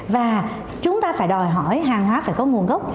và chúng ta phải đòi hỏi hàng hóa phải có nguồn gốc